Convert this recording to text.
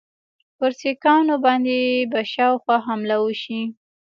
پر سیکهانو باندي به شا له خوا حمله وشي.